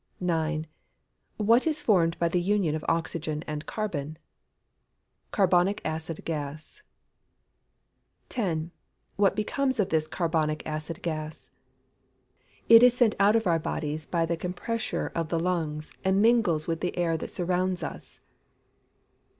9. What is formed by the union of oxygen and carbon? Carbonic acid gas. 10. What becomes of this carbonic acid gas? It is sent out of our bodies by the compressure of the lungs, and mingles with the air that surrounds us.